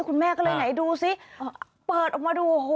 คุณแม่ก็เลยไหนดูสิเปิดออกมาดูโอ้โห